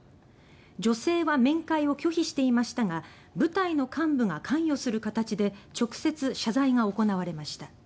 女性は面会を拒否していましたが部隊の幹部が関与する形で直接謝罪が行われました。